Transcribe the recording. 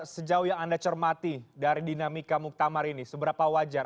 sejauh yang anda cermati dari dinamika muktamar ini seberapa wajar